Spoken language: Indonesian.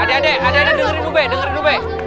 adik adik adik adik dengerin ub dengerin ub